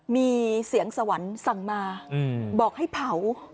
มีเสียงสวรรค์สั่งมาบอกให้เผา